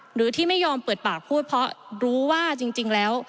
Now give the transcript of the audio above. หรือที่ไม่ยอมเปิดปากพูดเพราะรู้ว่าจริงแล้ว